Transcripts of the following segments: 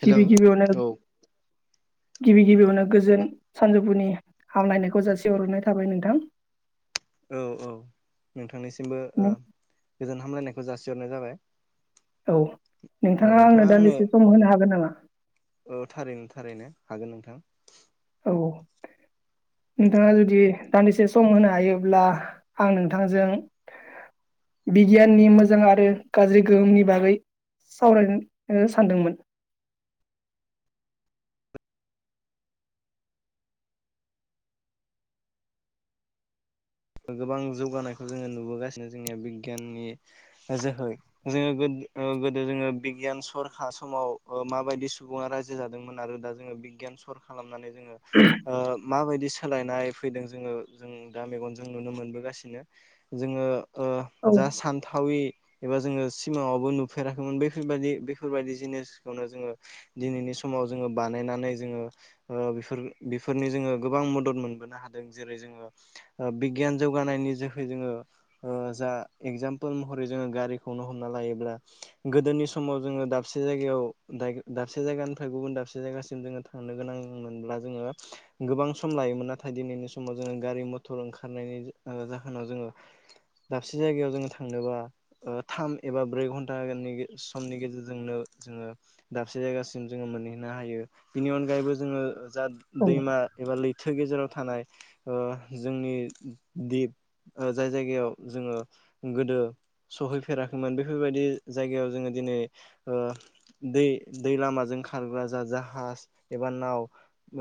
Hello गिबि गिबियावनो औ गिबि गिबियावनो गोजोन सानजौफुनि हामलायनायखौ जासिहरननाय थाबाय नोंथां। औ औ नोंथांनिसिमबो ओ गोजोन हामलायनायखौ जासिहरनाय जाबाय। औ नोंथाङा आंनो दानदिसे सम होनो हागोन नामा? औ थारैनो थारैनो हागोन नोंथां। अ नोंथाङा जुदि दान्दिसे सम होनो हायोब्ला आं नोंथांजों बिगियाननि मोजां आरो गाज्रि गोहोमनि बागै सावरायनो ओ सानदोंमोन। [inaudible] ओ गोबां जौगानायखौ जोङो नुबोगासिनो जोंनिया बिगियाननि ओ जोहै जोङो गोद ओ गोदो जोङो बिगियान सरखा समावबो माबायदि सुबुङा रायजो जादोंमोन आरो दा जोङो बि गियान सर खालामनानै जोङो ओ माबायदि सोलायनाय फैदों जोङो जों दा मेगनज जों नुनो मोनबोगासिनो जोङो ओ औ जा सानथावयि एबा जोङो सिमाङावबो नुफेराखैमोन बेफोरबायदि बेफोरबायदि जिनिसखौनो जोङो दिनैनि स समाव जोङो बानायनानै जोङो ओ बेफोर बेफोरनि जोङो गोबां मदद मोनबोनो हादों। जेरै जोङो ओ बिगियान जौगानायनि जोहै जोङो ओ जा एगजामपोल महरै जोङो गारिखौनो हमना ला लायोब्ला गोदोनि समाव जोङो दाबसे जायगायाव दायग दाबसे जायगानिफ्राय गुबुन दाबसे जायगासिम जोङो थांनो गोनांमोन मोनब्ला जोङो गोबां सम लायोमोन नाथाय दिनैनि समाव जोङो गारि मथ थर ओंखारनायनि जो‌ ओ जाहोनाव जोङो दाबसे जायगायाव जोङो थांनोबा ओ थाम एबा ब्रै घन्टा होगोननि गेज समनि गेजेरजोंनो जोङो दाबसे जायगासिम जोङो मोनहैनो हायो। बिनि अनगायैबो जोङो जा औ दैमा एबा लैथो गेजेराव थानाय ओ जोंनि दिप ओ जाय जायगायाव जोङो गोदो सहैफेराखैमोन बेफोरबायदि जायगायाव जोङो दिनै ओ दै दै लामाजों खारग्रा जा जाहाज एबा नाव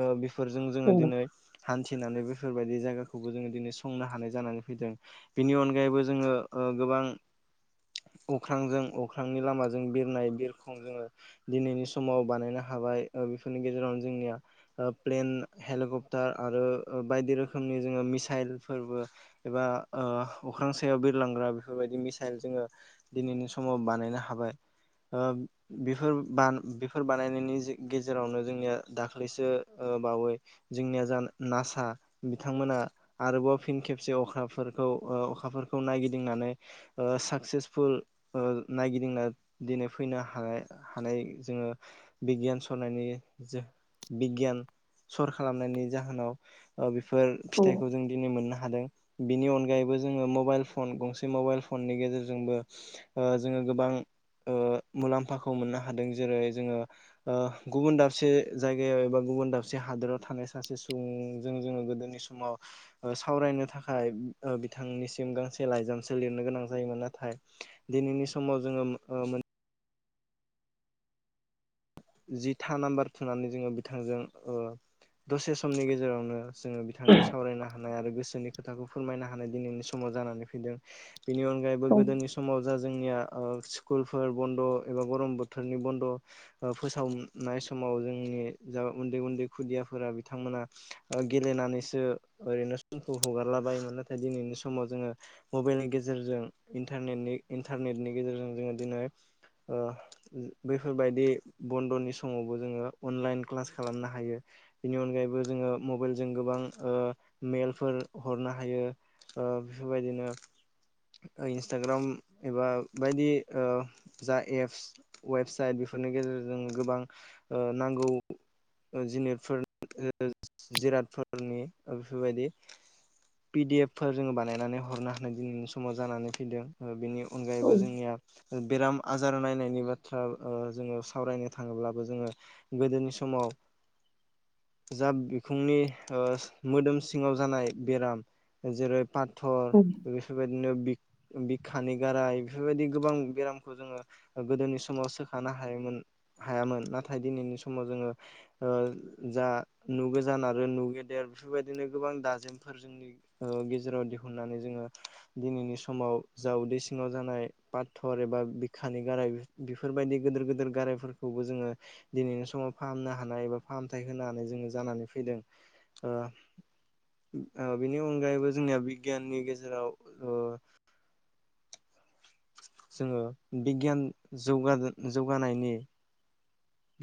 ओ बेफ फोरजों जोङो औ दिनै हान्थिनानै बेफोरबायदि जायगा खौबो जोङो दिनै संनो हानाय जानानै फैदों बिनि अनगायैबो जोङो ओ गोबां अख्रांजों अख्रांनि लामाजों बिरनाय बिरखं जोङो दिनैनि समाव बानायनो हा हाबाय ओ बेफोरनि गेजेरावनो जोंनिया ओ प्लेन, हेलिकप्टार आरो ओ बायदि रोखोमनि जोङो मिसाइलफोरबो एबा ओ अख्रां सायाव बिरलांग्रा बेफोरबायदि मिसाइल जोङो दिनैनि समाव बानायनो हाबाय। ओ बेफोर बान बेफोर बानायनायनि जे गेजेरावनो जोंनिया दाख्लैसो ओ ओ बावै जोंनिया जा नासा बि थांमोना आरोबाव फिन खेबसे अखाफोरखौ ओ अखाफोरखौ नायगिदिंनानै ओ साक सेसफुल ओ नायगिदिंना दिनै फैनो हानाय हानाय जोङो बिग गियान सरनायनि जो बिगियान सर खालामनायनि जाहोनाव ओ बिफ फोर औ फिथाइखौ जों दिनै मोननो हादों। बिनि अनगायैबो जोङो मबाइल फन गंसे मबाइल फननि गेजेरजोंबो ओ जोङो गोबां ओ मुलाम्फाखौ मोननो हादों। जेरै जोङो ओ गुबुन दाबसे जायगायाव एबा गुबुन दाबसे हादराव थानाय सासे सुबुंजों जोङो गोद दोनि समाव ओ सावरायनो थाखाय ओ बिथांनिसिम गांसे लाइजामसो लिरनो गोनां जायोमोन। नाथाय दिनैनि समाव जोङो मो ओ मोन जि था नाम्बार थुनानै जोङो बिथांजों ओ दसे समनि गेजेरावनो जोङो बिथांजों सावरायनो हानाय आरो गोसोनि खोथाखौ फोरमायनो हानाय दिनैनि समाव जानानै फैदों। बिनि अनगायैबो औ गोदोनि समाव जा जोंनिया ओ स्कुलफोर बन्द' एबा गरम बोथोरनि बन्द' ओ फोसावनाय समाव जोंनि जा उन्दै उन्दै खुदियाफोरा बिथांमोना ओ गेलेन नानैसो ओरैनो समखौ हगारलाबायोमोन नाथाय दिनैनि समाव जोङो मबाइलनि गेजेरजों इन्थारनेटनि इन्थारनेटनि गेजेरजों जोङो दिनै ओ जो बैफोरबायदि बन्द'नि समावबो जोङो अनलाइन क्लास खालामनो हायो बेनि अनगायैबो जोङो मबाइल जों गोबां गोबां ओ मेलफोर हरनो हायो ओ बेफोरबायदिनो ओ इन्सटाग्राम एबा बायदि ओ जा एपस वेबसाइट बेफोरनि गेजेरजों गोबां ओ नांगौ ओ जिनिरफोर ओ जिरादफोरनि ओ बेफोरबायदि पि डि एफ फोर जोङो बानायनानै हरनो हानाय दिनैनि समाव जानानै फैदों बिनि औ अनगायैबो जोंनिया बेराम आजार नायनायनि बाथ्रा ओ जोङो सावरायनो थाङोब्लाबो जोङो गोदोनि समाव जा बिखुंनि ओ मोदोम सिङाव जानाय बेराम जेरै पाथर औ बेफोरबायदिनो बिखानि गाराय बेफोरबायदि गोबां बेरामखौ जोङो गोदोनि समाव सोखानो हायोमोन हायामोन नाथाय दिनैनि समाव जोङो ओ जा नु गोजान आरो नु गे देर बेफोरबायदिनो गोबां दाजेमफोर जोंनि ओ गेजेराव दिहुननानै जोङो दिनैनि समाव जा उदै सिङाव जानाय पाथर एबा बिखानि गाराय बेफ- बेफोरबायदि गोदोर गोदोर गाराय फोरखौबो जोङो दिनैनि समाव फाहामनो हानाय एबा फाहामथाय होनो हानाय जोङो जानानै फैदों ओ ओ बिनि अनगायैबो जोंनिया बिगियाननि गेजेराव ओ जोङो बिगियान जौगा-जौगानायनि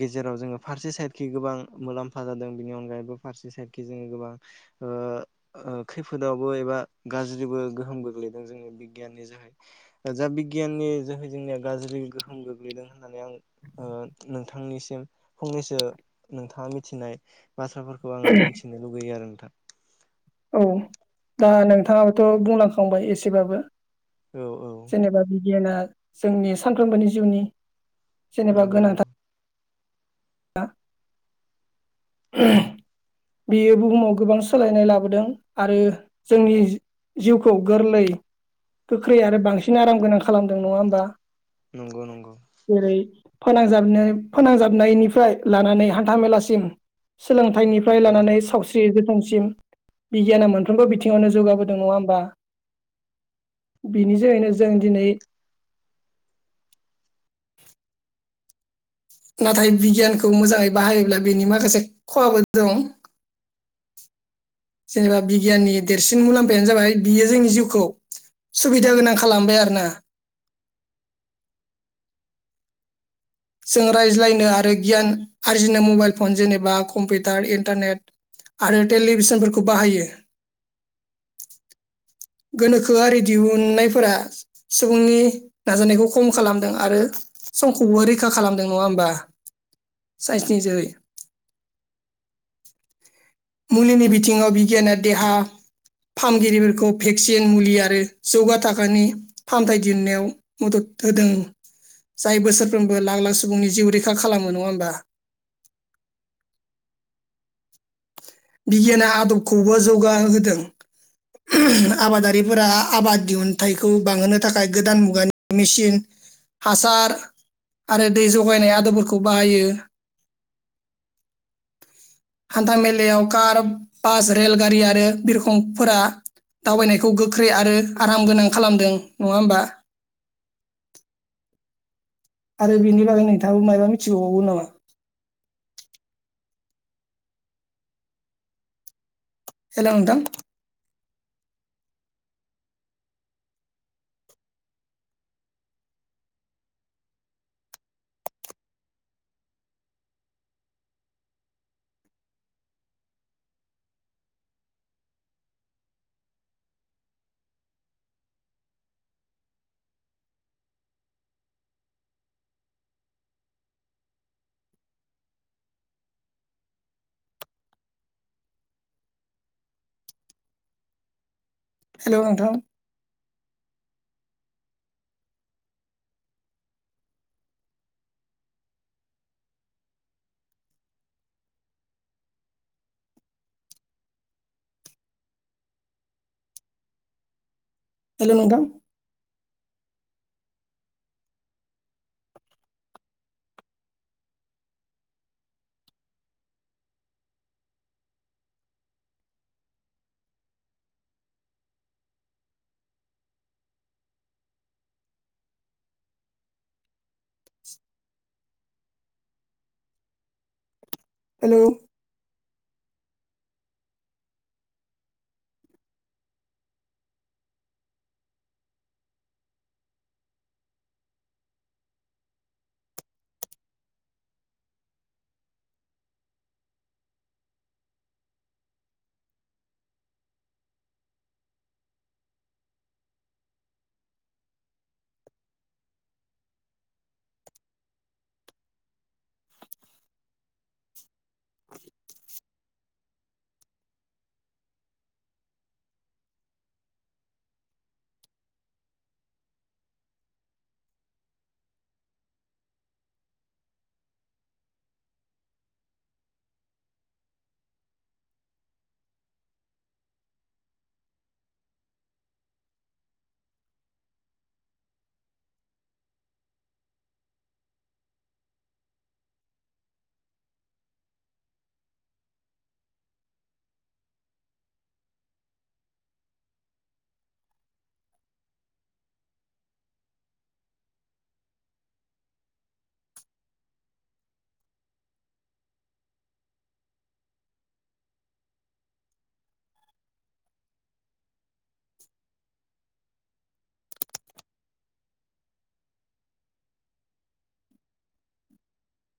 गेजेराव जोङो फारसे साइडखै गोबां मुलाम्फा जादों बिनि अनगायैबो फारसे साइडखै जोङो गोबां ओ ओ खैफोदावबो एबा गाज्रिबो गोहोम गोग्लैदों जोङो बिगियाननि जोहै जा बिगियाननि जोहै जोंनिया गाज्रि गोहोम गोग्लैदों होननानै आं ओ नोंथांनिसिम फंनैसो नोंथाङा मिथिनाय बाथ्राफोरखौ आङो मिथिनो लुगैयो आरो नोंथां औ दा नोंथाङाबोथ' बुंलांखांबाय एसेबाबो औ औ जेनेबा बिगियाना जोंनि सानफ्रोमबोनि जिउनि जेनेबा नंगौ गोनांथार नंगौ ना बियो बुहुमाव गोबां सोलायनाय लाबोदों आरो जोंनि जिउखौ गोरलै गोख्रै आरो बांसिन आराम गोनां खालामदों नङा होमबा नंगौ नंगौ फोनांजाबनाय-फोनांजाबनायनिफ्राय लानानै हान्थामेलासिम सोलोंथाइनि फ्राय नंगौ लानानै साव स्रि जोथोनसिम बिगियाना मोनफ्रोमबो बिथिङावनो जौगाबोदों नङा होमबा बिनि जोहैनो जों दिनै नाथाय बिगियानखौ मोजाङै बाहायोब्ला बेनि माखासे खहाबो दं जेनेबा बिगियाननि देरसिन मुलाम्फायानो जाबाय बियो जोंनि जिउखौ सुबिदा गोनां खालामबाय आरोना जों रायज्लायनो आरो गियान आरजिनो मबाइल फन जेनेबा कम्पिटार इन्टारनेट आरो टेलिभिसनफोरखौ बाहायो गोनोखोआरि दिहुननायफोरा सुबुंनि नाजानायखौ खम खालामदों आरो समखौबो रैखा खालामदों नङा होमबा साइन्सनि जोहै [inaudible] मुलिनि बिथिङाव बिगियाना देहा फाहामगिरिफोरखौ भेक्सिन मुलि आरो जौगा थाखोनि फाहामथाय दिन्नायाव मदद होदों जाय बोसोरफ्रोमबो लाख लाख सुबुंनि जिउ रैखा खालामो नङा होमबा। [inaudible] बिगियाना आदबखौबो जौगा होदों। आबादारिफोरा आबाद दिहुनथाइखौ बांहोनो थाखाय गोदान मुगानि मिचिन हासार आरो दै जगायनाय आदबफोरखौ बाहायो। [inaudible] हान्था मेलायाव कार बास रेलगारि आरो बिरखंफोरा दावबायनायखौ गोख्रै आरो आराम गोनां खालामदों नङा होमबा? [inaudible] आरो बेनि बागै नोंथाङाबो मायबा मिथिबावावगौ नामा? हेल' नोंथां हेल' नोंथां। हेल' नोंथां। [inaudible] हेल' [inaudible]